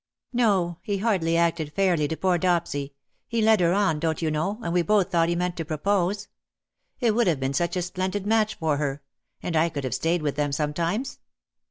" No, he hardly acted fairly to poor Dopsy : he led her on, don't you know, and we both thought he meant to propose. It would have been such a splendid match for her — and I could have stayed with them sometimes."